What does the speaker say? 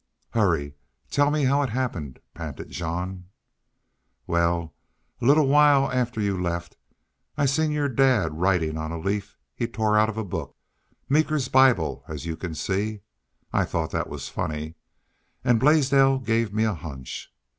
"Hurry! Tell me how it happen," panted Jean. "Wal, a little while after y'u left I seen your dad writin' on a leaf he tore out of a book Meeker's Bible, as yu can see. I thought thet was funny. An' Blaisdell gave me a hunch.